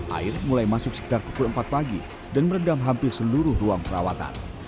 air mulai masuk sekitar pukul empat pagi dan merendam hampir seluruh ruang perawatan